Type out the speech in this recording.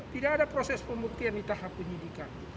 tidak ada proses pembuktian di tahap penyidikan